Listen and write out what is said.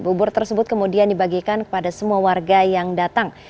bubur tersebut kemudian dibagikan kepada semua warga yang datang